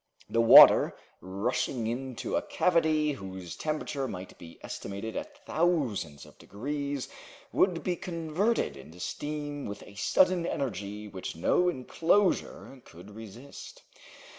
The water, rushing into a cavity whose temperature might be estimated at thousands of degrees, would be converted into steam with a sudden energy which no enclosure could resist.